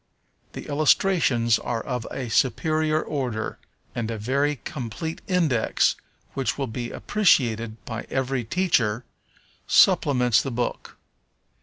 The illustrations are of a superior order, and a very complete Index, which will be appreciated by every teacher, supplements the book.